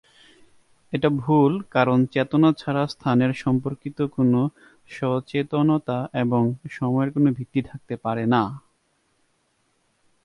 এটা ভুল কারণ চেতনা ছাড়া স্থানের সম্পর্কিত কোন সচেতনতা এবং সময়ের কোন ভিত্তি থাকতে পারে না।